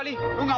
nah ini kalau gue